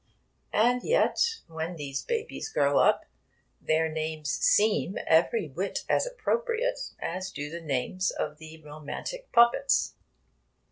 And yet, when these babies grow up, their names seem every whit as appropriate as do the names of the romantic puppets.